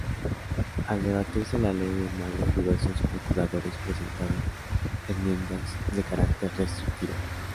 Al debatirse la ley en mayo, diversos procuradores presentaron enmiendas de carácter restrictivo.